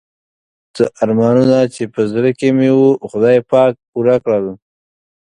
څه ارمانونه چې په زړه کې مې وو خدای پاک پوره کړل.